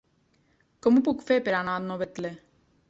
Com ho puc fer per anar a Novetlè?